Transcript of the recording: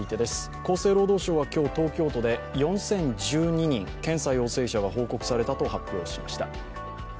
厚生労働省は今日東京都で４０１２人、検査陽性者が報告されたと発表しました。